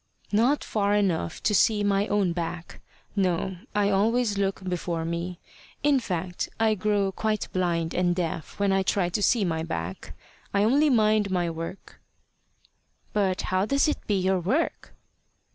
"Not far enough to see my own back. No; I always look before me. In fact, I grow quite blind and deaf when I try to see my back. I only mind my work." "But how does it be your work?"